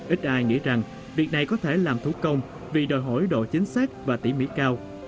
ít ai nghĩ rằng việc này có thể làm thủ công vì đòi hỏi độ chính xác và tỉ mỉ cao